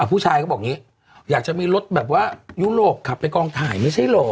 ผู้ชายเขาบอกอย่างนี้อยากจะมีรถแบบว่ายุโรปขับไปกองถ่ายไม่ใช่เหรอ